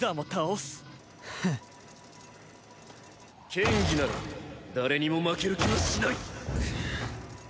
剣技なら誰にも負ける気はしない。